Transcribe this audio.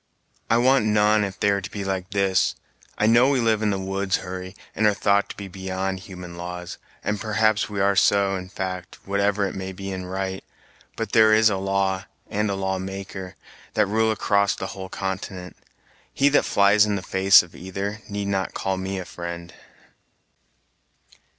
"I want none, if they are to be like this. I know we live in the woods, Hurry, and are thought to be beyond human laws, and perhaps we are so, in fact, whatever it may be in right, but there is a law and a law maker, that rule across the whole continent. He that flies in the face of either need not call me a friend."